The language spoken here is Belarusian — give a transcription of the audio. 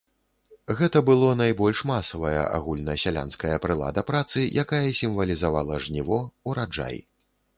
Гэта было найбольш масавая агульнасялянская прылада працы, якая сімвалізавала жніво, ураджай.